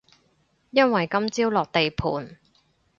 因為今朝落地盤